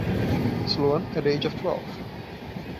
Sloan, at the age of twelve.